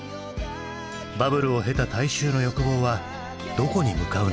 バブルを経た大衆の欲望はどこに向かうのか。